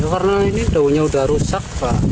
ya karena ini daunnya udah rusak pak